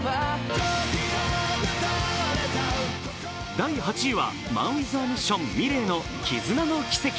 第８位はＭＡＮＷＩＴＨＡＭＩＳＳＩＯＮ×ｍｉｌｅｔの「絆ノ奇跡」。